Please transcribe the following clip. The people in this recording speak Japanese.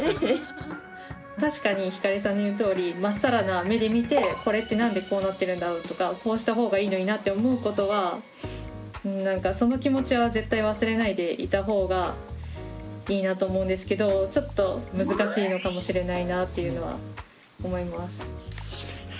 確かにひかりさんの言うとおりまっさらな目で見てこれって何でこうなってるんだろうとかこうしたほうがいいのになって思うことはその気持ちは絶対忘れないでいたほうがいいなと思うんですけどちょっと難しいのかもしれないなっていうのは思います。